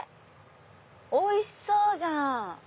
おいしそうじゃん！